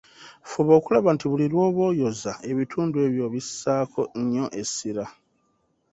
Fuba okulaba nti buli lwoba oyoza ebitundu ebyo obissaako nnyo essira.